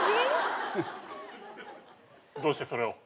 どうしてそれを？